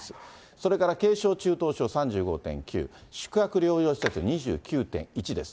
それから軽症・中等症３５．９、宿泊療養施設２９．１です。